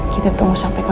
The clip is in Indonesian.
kita tunggu sampai selesai